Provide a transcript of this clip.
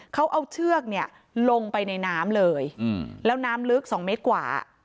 เขาเอาเชือกเนี่ยลงไปในน้ำเลยแล้วน้ำลึก๒เมตรกว่า